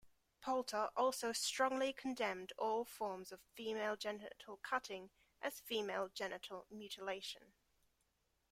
Poulter also strongly condemned all forms of female genital cutting as female genital mutilation.